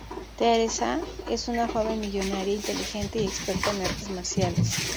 Theresa es una joven millonaria, inteligente y experta en artes marciales.